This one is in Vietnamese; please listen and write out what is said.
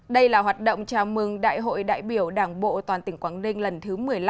đây là hoạt động chào mừng đại hội đại biểu đảng bộ toàn tỉnh quảng ninh lần thứ một mươi năm